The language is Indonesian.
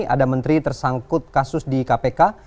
ada menteri tersangkut kasus di kpk